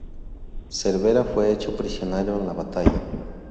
Cervera fue hecho prisionero en la batalla.